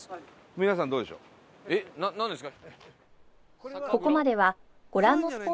皆さんどうでしょう？なんですか？